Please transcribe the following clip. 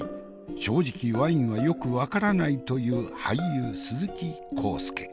正直ワインはよく分からないという俳優鈴木浩介。